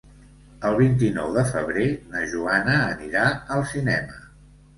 El vint-i-nou de febrer na Joana anirà al cinema.